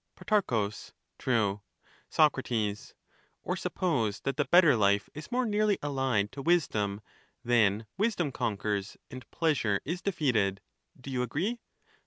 Pro. True. Soc, Or suppose that the better life is more nearly allied to wisdom, then wisdom conquers, and pleasure is defeated ;— do you agree